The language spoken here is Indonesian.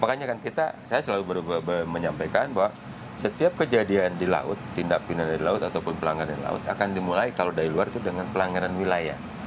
makanya kan kita saya selalu menyampaikan bahwa setiap kejadian di laut tindak pindah dari laut ataupun pelanggaran laut akan dimulai kalau dari luar itu dengan pelanggaran wilayah